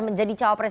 menjadi cawar pres